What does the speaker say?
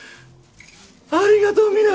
ありがとう未来。